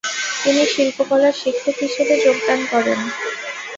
তিনি শিল্পকলার শিক্ষক হিসেবে যোগদান করেন।